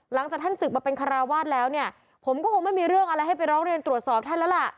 หลังจากท่านศึกมาเป็นคาราวาสแล้วเนี่ยผมก็คงไม่มีเรื่องอะไรให้ไปร้องเรียนตรวจสอบท่านแล้วล่ะ